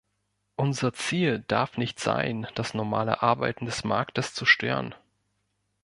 Unser Ziel darf nicht sein, das normale Arbeiten des Marktes zu stören.